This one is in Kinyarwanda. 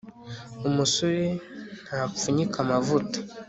umusore ntapfunyika amavuta